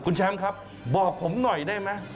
คุณแชมป์ครับบอกผมหน่อยได้ไหม